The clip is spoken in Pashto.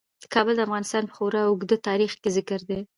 کابل د افغانستان په خورا اوږده تاریخ کې ذکر دی.